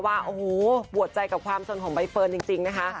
ว่าโอ้โหปวดใจกับความสนของใบเฟิร์นจริงนะคะ